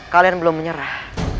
kalian belum menyerah